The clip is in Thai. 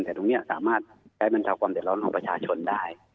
แต่ตรงนี้สามารถใช้บรรเทาความเดือดร้อนของประชาชนได้